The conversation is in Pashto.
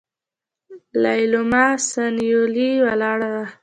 ليلما سانيولې ولاړه وه.